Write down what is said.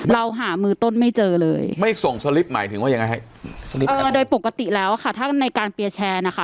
เราหามือต้นไม่เจอเลยไม่ส่งสลิปหมายถึงว่ายังไงฮะโดยปกติแล้วอะค่ะถ้าในการเปียร์แชร์นะคะ